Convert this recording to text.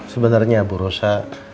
sebenarnya bu rosa